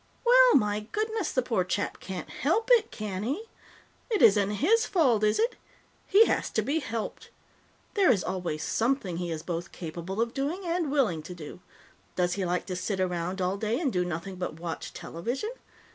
Well, my goodness, the poor chap can't help it, can he? It isn't his fault, is it? He has to be helped. There is always something he is both capable of doing and willing to do. Does he like to sit around all day and do nothing but watch television?